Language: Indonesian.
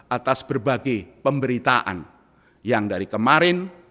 atas berbagai pemberitaan yang dari kemarin